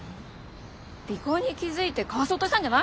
尾行に気付いてかわそうとしたんじゃないの？